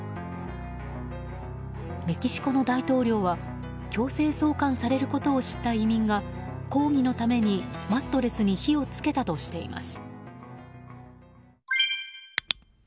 メキシコの大統領は強制送還されることを知った移民が抗議のためにマットレスに火をつけたとしています。